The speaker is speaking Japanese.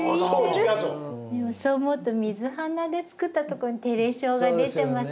そう思うと「水洟」で作ったとこにてれ性が出てますね。